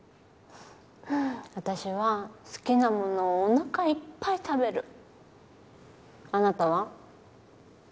私は好きなものをおなかいっぱい食べるあなたは？